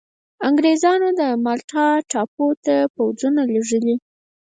انګرېزانو د مالټا ټاپو ته پوځونه لېږلي.